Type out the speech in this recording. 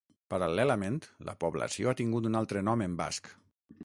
Paral·lelament la població ha tingut altre nom en basc.